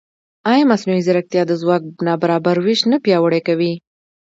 ایا مصنوعي ځیرکتیا د ځواک نابرابر وېش نه پیاوړی کوي؟